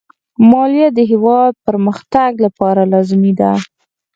مالیه د هېواد پرمختګ لپاره لازمي ده.